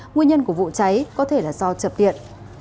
nguyên nhân của vụ cháy có thể là do chập điện